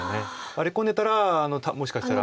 ワリ込んでたらもしかしたら。